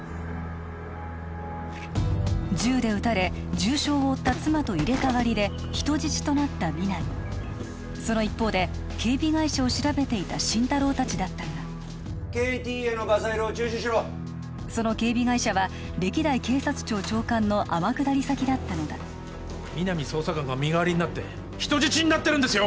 銃で撃たれ重傷を負った妻と入れ替わりで人質となった皆実その一方で警備会社を調べていた心太朗達だったがＫＴへのガサ入れを中止しろその警備会社は歴代警察庁長官の天下り先だったのだ皆実捜査官が身代わりになって人質になってるんですよ！